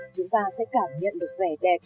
chúng ta sẽ cảm nhận được vẻ đẹp